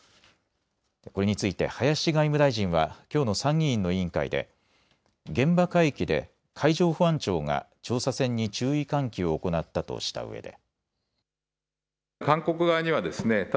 これについて林外務大臣はきょうの参議院の委員会で現場海域で海上保安庁が調査船に注意喚起を行ったとしたうえで。